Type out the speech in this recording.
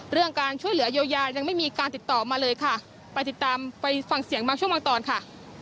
เรื่องการช่วยเหลือเยียวยายังไม่มีการติดต่อมาเลยค่ะไปติดตามไปฟังเสียงบางช่วงบางตอนค่ะ